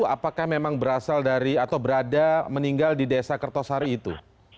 apakah memang berasal dari atau berada meninggal di desa kertosari itu